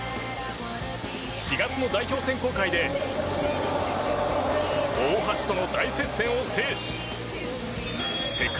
４月の代表選考会で大橋との大接戦を制し世界